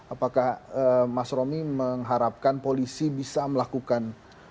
apakah mas romi mengharapkan polisi bisa melakukan